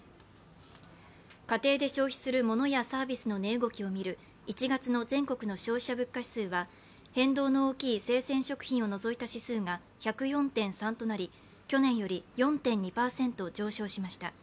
家庭で消費するモノやサービスの値動きを見る１月の全国の消費者物価指数は変動の大きい生鮮食品を除いた指数が１０４．３となり去年より４．２％上昇しました。